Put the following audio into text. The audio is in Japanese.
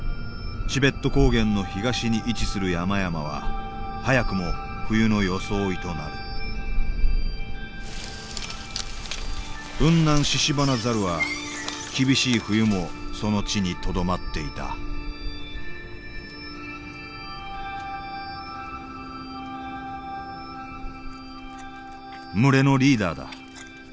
チベット高原の東に位置する山々は早くも冬の装いとなるウンナンシシバナザルは厳しい冬もその地にとどまっていた群れのリーダーだ。